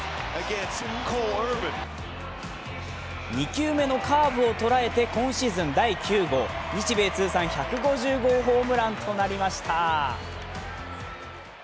２球目のカーブを捉えて今シーズン第９号、日米通算１５０号ホームランとなりました。